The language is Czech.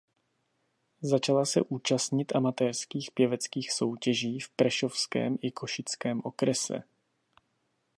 Začala se účastnit amatérských pěveckých soutěží v prešovském i košickém okrese.